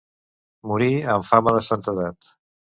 Morí amb fama de santedat.